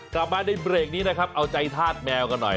กลับมาในเบรกนี้นะครับเอาใจธาตุแมวกันหน่อย